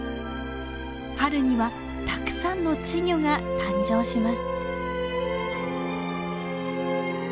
春にはたくさんの稚魚が誕生します。